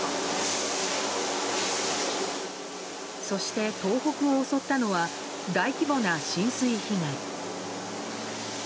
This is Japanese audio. そして、東北を襲ったのは大規模な浸水被害。